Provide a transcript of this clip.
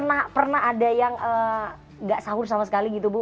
karena pernah ada yang nggak sahur sama sekali gitu bu